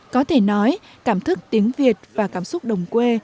có thể nói cảm thức tiếng việt và cảm xúc đồng quê